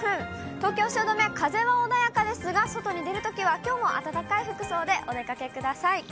東京・汐留、風は穏やかですが、外に出るときは、きょうも暖かい服装でお出かけください。